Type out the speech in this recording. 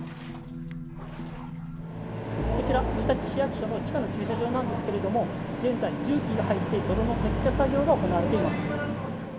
こちら、日立市役所の地下の駐車場なんですけれども、現在、重機が入って泥の撤去作業が行われています。